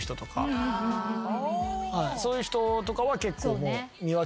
そういう人とかは結構。